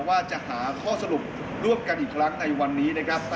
ว่าจะหาข้อสรุปร่วมกันอีกครั้งในวันนี้นะครับ